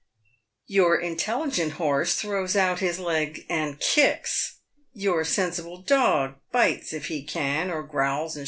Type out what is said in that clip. Your intelligent horse throws out his legs and kicks ; your sensible dog bites if he can, or growls and 138 PAYED WITH GOLD.